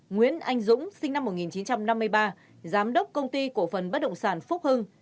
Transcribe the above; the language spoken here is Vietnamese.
nguyễn anh dũng sinh năm một nghìn chín trăm năm mươi ba giám đốc công ty cổ phần bất động sản phúc hưng